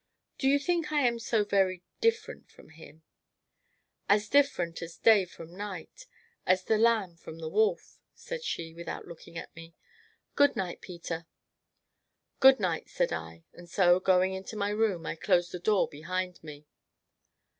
"Do you think I am so very different from him?" "As different as day from night, as the lamb from the wolf," said she, without looking at me. "Good night, Peter!" "Good night!" said I, and so, going into my room, I closed the door behind me.